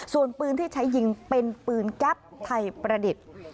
ส่วนปืนที่ใช้ยิงเป็นปืนแก๊ปไทยประดิษฐ์